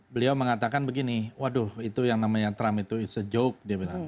beliau mengatakan begini waduh itu yang namanya trump itu is a joke dia bilang